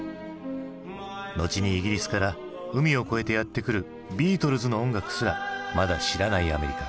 後にイギリスから海を越えてやって来るビートルズの音楽すらまだ知らないアメリカ。